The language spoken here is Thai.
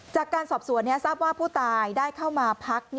จากการสอบสวนทราบว่าผู้ตายได้เข้ามาพัก